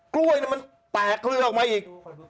กล้วยมันแตกเลยออกมาอีก